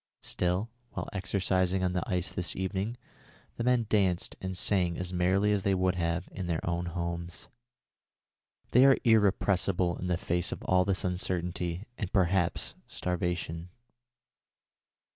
Still, while exercising on the ice this evening, the men danced and sang as merrily as they would have done in their own homes. They are irrepressible in the face of all this uncertainty and perhaps starvation."